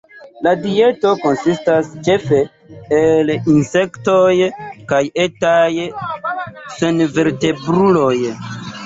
La dieto konsistas ĉefe el insektoj kaj etaj senvertebruloj.